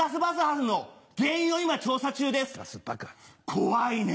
怖いね！